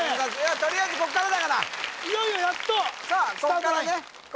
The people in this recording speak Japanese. とりあえずこっからだからいよいよやっとスタートラインさあ